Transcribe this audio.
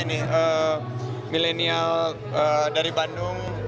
ini milenial dari bandung